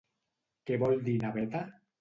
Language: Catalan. Què vol dir naveta?